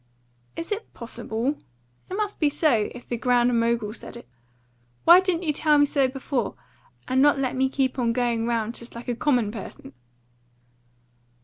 "Is it possible? It must be so, if the Grand Mogul said it. Why didn't you tell me so before, and not let me keep on going round just like a common person?"